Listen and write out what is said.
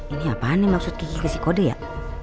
ini apaan nih maksud gigi kasih kode ya